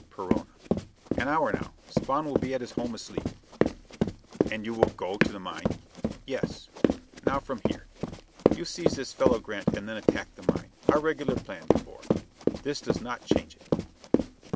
Perona: "An hour now. Spawn will be at his home asleep." "And you will go to the mine?" "Yes. Now, from here. You seize this fellow Grant, and then attack the mine. Our regular plan, De Boer. This does not change it."